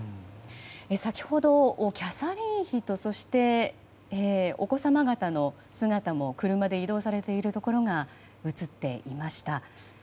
先ほど、キャサリン妃とお子様方の姿も車で移動されているところが映っていました。